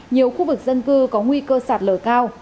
nhiều khu vực dân cư có nguy cơ sạt lở cao